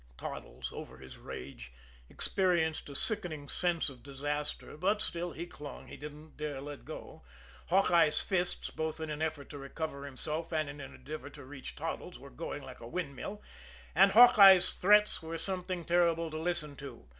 Toddles, over his rage, experienced a sickening sense of disaster, but still he clung; he didn't dare let go. Hawkeye's fists, both in an effort to recover himself and in an endeavor to reach Toddles, were going like a windmill; and Hawkeye's threats were something terrifying to listen to.